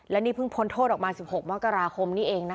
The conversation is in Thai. และนี่เพิ่งพ้นโทษออกมาที่๑๖มกราคม